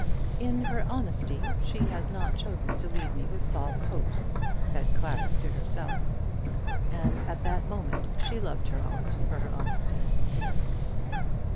"In her honesty she has not chosen to leave me with false hopes," said Clara to herself. And at that moment she loved her aunt for her honesty.